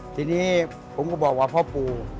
ทีนี้ผมก็บอกว่าพ่อปู่